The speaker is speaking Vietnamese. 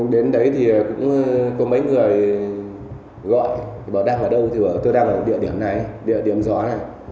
đến đấy thì có mấy người gọi bảo đang ở đâu tôi đang ở địa điểm này địa điểm gió này